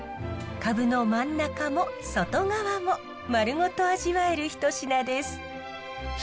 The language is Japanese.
カブの真ん中も外側も丸ごと味わえる一品です。